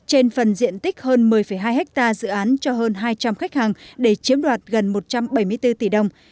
trên phần diện tích hơn một mươi hai ha dự án cho hơn hai trăm linh khách hàng để chiếm đoạt gần một trăm bảy mươi bốn tỷ đồng